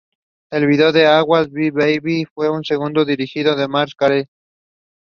The Earl met the rebels, but a scuffle broke out and he was killed.